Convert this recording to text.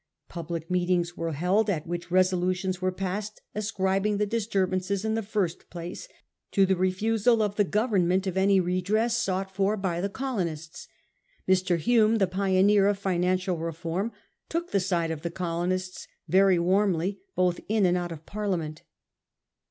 Public meetings were held at which resolutions were passed ascrib ing the disturbances in the first place to the refusal by the Government of any redress sought for by the colonists. Mr. Plume, the pioneer of financial re form, took the side of the colonists very warmly, both in and out of Parliament.